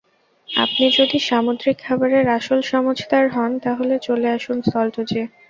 আপনি যদি সামুদ্রিক খাবারের আসল সমঝদার হন, তাহলে চলে আসুন সল্টজে।